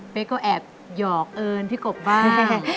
ก็แอบหยอกเอิญพี่กบบ้าง